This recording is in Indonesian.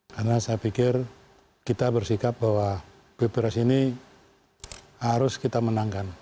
karena saya pikir kita bersikap bahwa pilpres ini harus kita menangkan